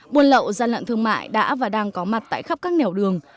buôn lậu gian lận thương mại đã và đang có mặt tại khắp các nẻo đường